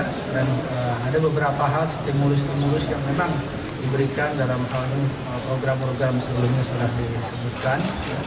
dan ada beberapa hal stimulus stimulus yang memang diberikan dalam hal program program sebelumnya sudah disebutkan